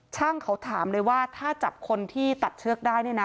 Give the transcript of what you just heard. ช่างเขาถามเลยว่าถ้าจับคนที่ตัดเชือกได้เนี่ยนะ